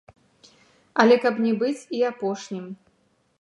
Але каб не быць і апошнім.